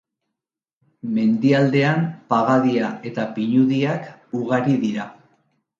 Mendialdean pagadia eta pinudiak ugari dira.